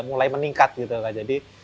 mulai meningkat gitu kan jadi